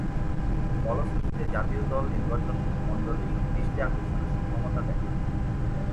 ফলশ্রুতিতে, জাতীয় দল নির্বাচকমণ্ডলীর দৃষ্টি আকর্ষণে সক্ষমতা দেখান।